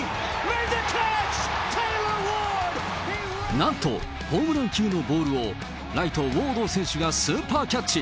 なんと、ホームラン級のボールを、ライト、ウォード選手がスーパーキャッチ。